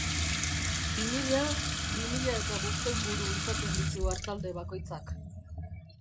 Bi mila, bi mila eta bostehun buru izaten ditu artalde bakoitzak.